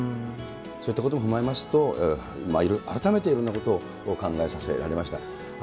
そういったことも踏まえますと、改めていろんなことを考えさせられました。